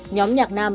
nhóm nhạc nam